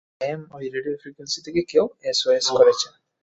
Ma'am ঐ radio frequency থেকে কেউ এসওএস করছে।